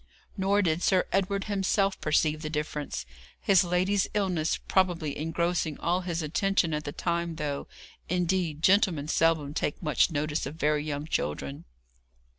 Nor did Sir Edward himself perceive the difference, his lady's illness probably engrossing all his attention at the time, though, indeed, gentlemen seldom take much notice of very young children.